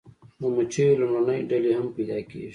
د مچیو لومړنۍ ډلې هم پیدا کیږي